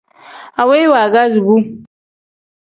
Aweyi waagazi bu.